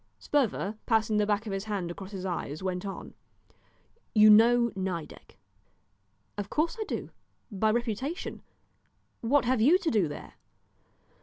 Sperver, passing the back of his hand across his eyes, went on "You know Nideck?" "Of course I do by reputation; what have you to do there?"